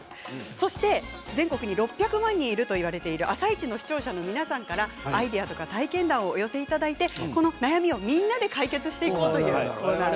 そして全国に６００万人いるといわれている「あさイチ」の視聴者の皆さんからアイデアや体験談をお寄せいただいて、このお悩みをみんなで解決していこうというコーナーです。